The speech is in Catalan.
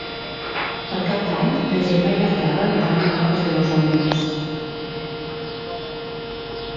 Per Cap d'Any na Gemma i na Queralt aniran a Aras de los Olmos.